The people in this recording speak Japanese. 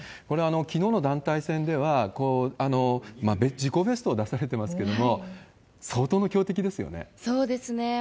これ、きのうの団体戦では自己ベストを出されてますけれども、相当の強そうですね。